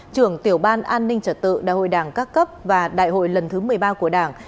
trưởng tiểu ban an ninh trở tự đại hội đảng các cấp và đại hội lần thứ một mươi ba của đảng